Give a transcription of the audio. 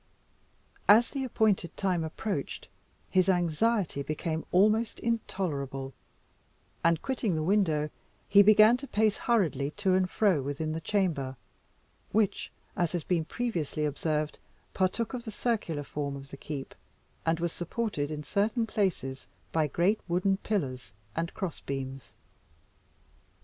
As the appointed time approached, his anxiety became almost intolerable, and quitting the window, he began to pace hurriedly to and fro within the chamber, which, as has been previously observed, partook of the circular form of the keep, and was supported in certain places by great wooden pillars and cross beams.